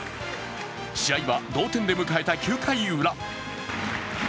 試合は同点で迎えた９回ウラ。